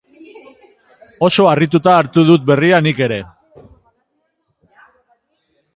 Oso harrituta hartu dut berria nik ere.